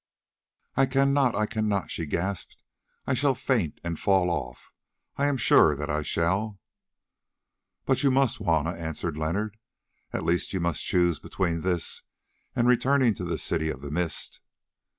"I cannot, I cannot," she gasped, "I shall faint and fall off. I am sure that I shall." "But you must, Juanna," answered Leonard. "At least you must choose between this and returning to the City of the Mist."